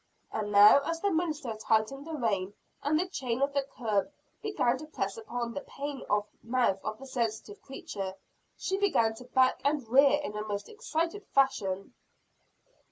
And now as the minister tightened the rein, and the chain of the curb began to press upon and pain the mouth of the sensitive creature, she began to back and rear in a most excited fashion.